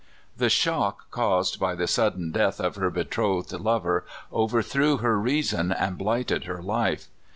The shock caused by the sudden death of her betrothed lover overthrew her reason and blighted her life.